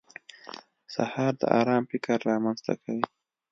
سهار د ارام فکر رامنځته کوي.